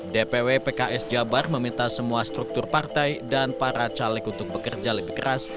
dpw pks jabar meminta semua struktur partai dan para caleg untuk bekerja lebih keras